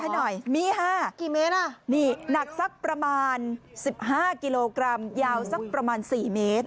ให้หน่อยมี๕กี่เมตรอ่ะนี่หนักสักประมาณ๑๕กิโลกรัมยาวสักประมาณ๔เมตร